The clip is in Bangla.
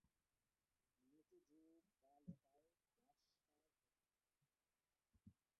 নিচু ঝোপ বা লতায় বাসা করে।